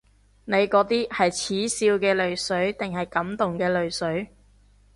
你嗰啲係恥笑嘅淚水定感動嘅淚水？